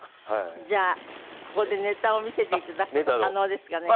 じゃあここでネタを見せて頂く事は可能ですかね？